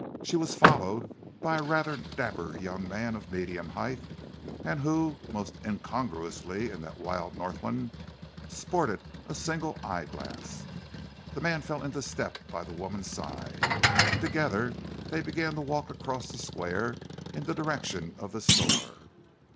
She was followed by a rather dapper young man of medium height, and who, most incongruously in that wild Northland, sported a single eyeglass. The man fell into step by the woman's side, and together they began to walk across the Square in the direction of the store.